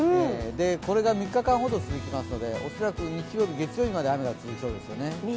これが３日間ほど続きますので恐らく日曜日、月曜日まで雨が続きそうですよね。